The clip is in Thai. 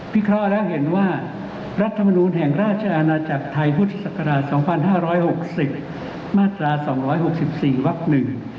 พิเคราะห์แล้วเห็นว่ารัฐมนุนแห่งราชอาณาจักรไทยพุทธศักราช๒๕๖๐มาตรา๒๖๔วักหนึ่ง